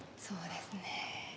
そうですね。